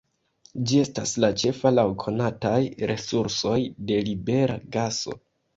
Ĝi estas la ĉefa laŭ konataj resursoj de libera gaso.